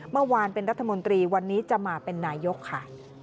เมื่อวานเป็นรัฐมนตรีวันนี้จะมาเป็นนายกค่ะ